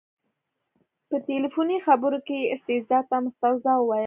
په تلیفوني خبرو کې یې استیضاح ته مستوزا وویل.